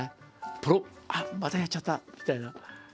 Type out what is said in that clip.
ポロッあっまたやっちゃったみたいな。